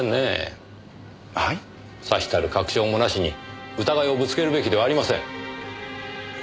さしたる確証もなしに疑いをぶつけるべきではありません。